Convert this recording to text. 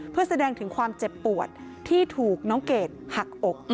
เพื่อแสดงถึงความเจ็บปวดที่ถูกน้องเกดหักอก